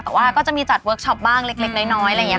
แต่ว่าก็จะมีจัดเวิร์คชอปบ้างเล็กน้อยอะไรอย่างนี้